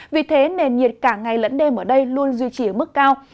vì thế nền nhiệt cả ngày lẫn đêm ở đây luôn duy trì ở mức cao